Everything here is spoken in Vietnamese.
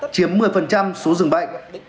chiếm một mươi số dường bệnh